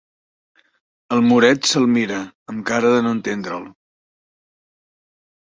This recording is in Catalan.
El moret se'l mira, amb cara de no entendre'l.